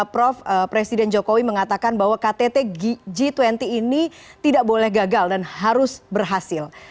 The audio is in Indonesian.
prof presiden jokowi mengatakan bahwa ktt g dua puluh ini tidak boleh gagal dan harus berhasil